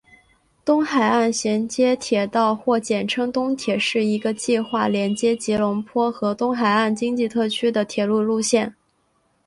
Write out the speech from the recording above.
东海岸衔接铁道或简称东铁是一个计划连接吉隆坡和东海岸经济特区的铁路路线。